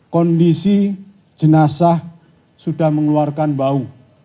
kondisi jenazah sudah mengeluarkan bau